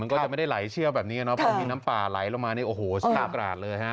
งดเล่นน้ำไปก่อนดีไหมคะ